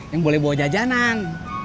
yang boleh bawa jajanan